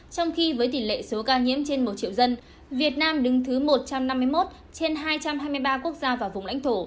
trong khi với tỷ lệ số ca nhiễm trên một triệu dân việt nam đứng thứ một trăm năm mươi một trên hai trăm hai mươi ba quốc gia và vùng lãnh thổ